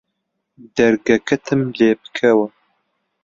دەرگەکەتم لێ بکەوە